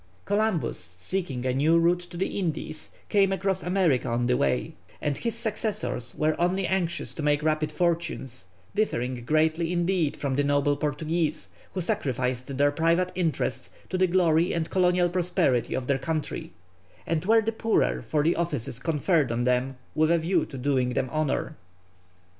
Columbus, seeking a new route to the Indies, came across America on the way, and his successors were only anxious to make rapid fortunes, differing greatly indeed from the noble Portuguese who sacrificed their private interests to the glory and colonial prosperity of their country, and were the poorer for the offices conferred on them with a view to doing them honour.